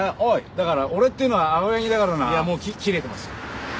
だから俺っていうのは青柳だからな。いやもう切れてます。